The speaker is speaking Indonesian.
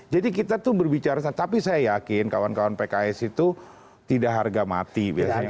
jadi kita tuh berbicara tapi saya yakin kawan kawan pks itu tidak harga mati biasanya